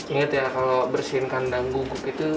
ingat ya kalau bersihin kandang guguk itu